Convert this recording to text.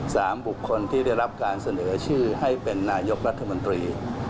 บุคคลที่ได้รับการเสนอชื่อให้เป็นนายกรัฐมนตรี